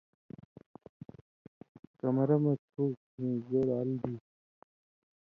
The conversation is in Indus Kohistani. کمرہ مہ تُھو کھیں زوڑہۡ ال دی۔